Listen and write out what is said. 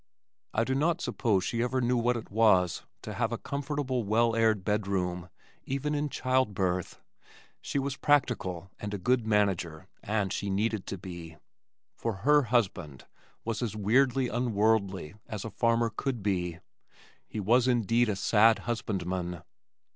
I do not suppose she ever knew what it was to have a comfortable well aired bedroom, even in childbirth. She was practical and a good manager, and she needed to be, for her husband was as weirdly unworldly as a farmer could be. He was indeed a sad husbandman.